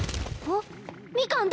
あっ！